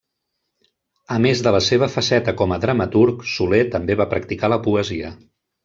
A més de la seva faceta com a dramaturg, Soler també va practicar la poesia.